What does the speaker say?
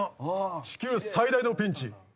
地球最大のピンチ。